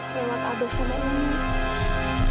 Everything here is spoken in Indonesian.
lewat aduh sama ini